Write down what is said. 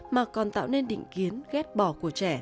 mà còn tạo nên định kiến ghét bò của trẻ